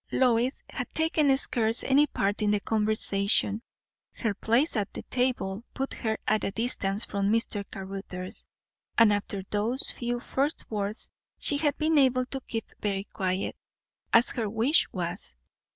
Lois had taken scarce any part in the conversation; her place at table put her at a distance from Mr. Caruthers; and after those few first words she had been able to keep very quiet, as her wish was.